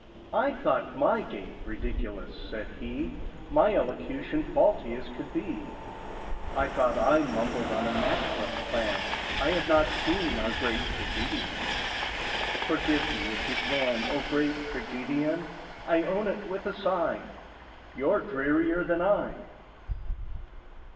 "I thought my gait ridiculous," said he— "My elocution faulty as could be; I thought I mumbled on a matchless plan— I had not seen our great Tragedian! "Forgive me, if you can, O great Tragedian! I own it with a sigh— You're drearier than I!"